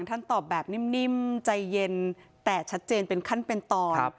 ท่านตอบแบบนิ่มใจเย็นแต่ชัดเจนเป็นขั้นเป็นตอน